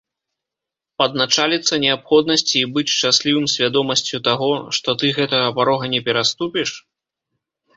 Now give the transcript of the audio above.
Падначаліцца неабходнасці і быць шчаслівым свядомасцю таго, што ты гэтага парога не пераступіш?